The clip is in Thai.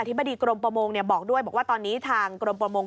อธิบดีกรมประมงบอกด้วยว่าทางกรมประมง